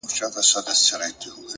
هوښیار انسان له وخت سره سم حرکت کوي